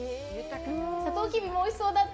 サトウキビもおいしそうだった。